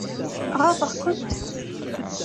Ɣaḍeɣ-kent?